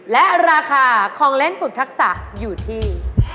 และราคาของเล่นฝึกทักษะอยู่ที่